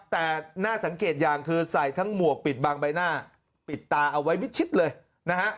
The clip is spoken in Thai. แต่น่าสังเกตอย่างคือใส่ทั้งหมวกปิดบางใบหน้าปิดตาเอาไว้มิดชิดเลยนะฮะ